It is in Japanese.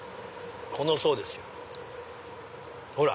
この層ですよ。ほら！